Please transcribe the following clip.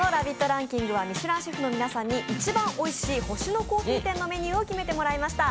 ランキングはミシュランシェフの皆さんに一番おいしい星乃珈琲店のメニューを決めていただきました。